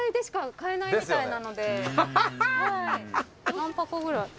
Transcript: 何箱ぐらい？